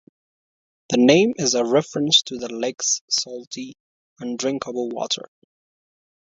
The name is a reference to the lake's salty, undrinkable water.